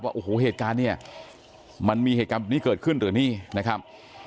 ว่าโอ้โหเหตุการณ์เนี่ยมันมีเหตุการณ์แบบนี้เกิดขึ้นหรือนี่นะครับ